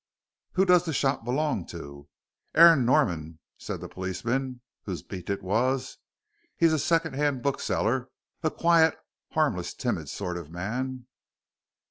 "Who does the shop belong to?" "Aaron Norman," said the policeman whose beat it was; "he's a second hand bookseller, a quiet, harmless, timid sort of man."